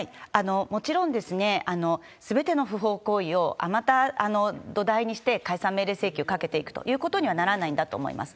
もちろん、すべての不法行為をまた土台にして解散命令請求をかけていくということにはならないんだと思います。